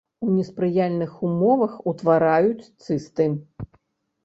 У неспрыяльных умовах утвараюць цысты.